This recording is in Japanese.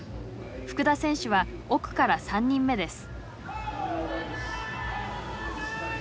福田選手は奥から３人目です。